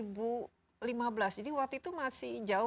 jadi waktu itu masih ada